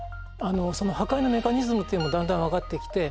その破壊のメカニズムというのもだんだん分かってきて